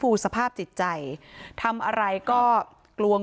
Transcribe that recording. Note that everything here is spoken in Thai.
ป้าอันนาบอกว่าตอนนี้ยังขวัญเสียค่ะไม่พร้อมจะให้ข้อมูลอะไรกับนักข่าวนะคะ